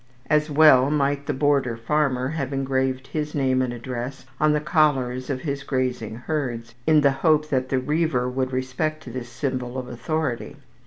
As well might the border farmer have engraved his name and address on the collars of his grazing herds, in the hope that the riever would respect this symbol of authority.